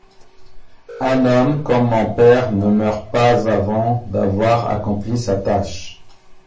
Un homme comme mon père ne meurt pas avant d’avoir accompli sa tâche!